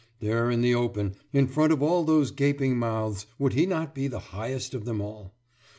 There, in the open, in front of all those gaping mouths, would he not be the highest of them all?